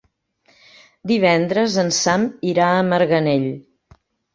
Divendres en Sam irà a Marganell.